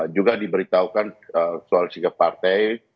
juga diberitahukan soal sikap partai